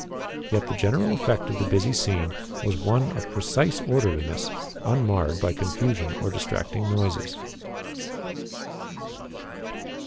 Yet the general effect of the busy scene was one of precise orderliness, unmarred by confusion or distracting noises.